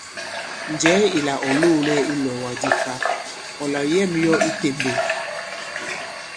Njɛ̀ɛ ìlà ɔ̀ loōlɛ i ilɔ̀ɔ̀wàk di fa, ɔ̀ làyɛ᷇m yɔ i itèmbèk ì?